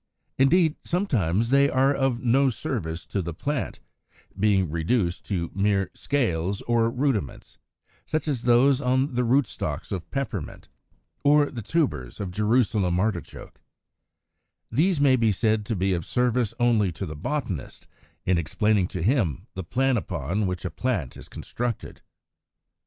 Indeed, sometimes they are of no service to the plant, being reduced to mere scales or rudiments, such as those on the rootstocks of Peppermint (Fig. 97) or the tubers of Jerusalem Artichoke (Fig. 101). These may be said to be of service only to the botanist, in explaining to him the plan upon which a plant is constructed.